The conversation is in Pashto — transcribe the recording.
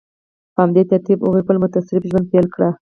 په همدې ترتیب هغوی خپل متصرف ژوند پیل کړ.